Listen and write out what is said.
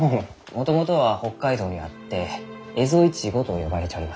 もともとは北海道にあってエゾイチゴと呼ばれちょりました。